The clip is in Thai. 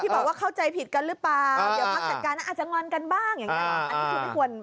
บอกว่าเข้าใจผิดกันหรือเปล่าเดี๋ยวพักจากการนั้นอาจจะงอนกันบ้างอย่างนี้